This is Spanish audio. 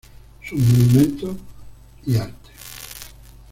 Sus monumentos y artes.